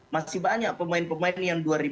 masih banyak pemain pemain yang dua ribu empat lain ini